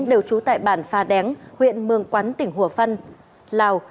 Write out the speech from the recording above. đều trú tại bản pha đéng huyện mường quán tỉnh hùa phân lào